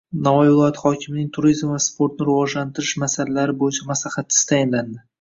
Navoiy viloyati hokimining Turizm va sportni rivojlantirish masalalari bo‘yicha maslahatchisi tayinlandi